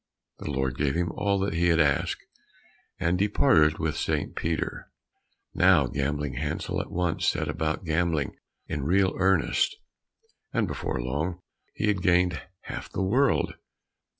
The Lord gave him all that he had asked, and departed with St. Peter. And now Gambling Hansel at once set about gambling in real earnest, and before long he had gained half the world.